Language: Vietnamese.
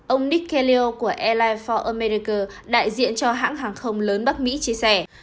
ông nick kaleo của airlines for america đại diện cho hãng hàng không lớn bắc mỹ chia sẻ